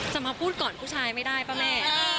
จะมาพูดก่อนผู้ชายไม่ได้ป่ะแม่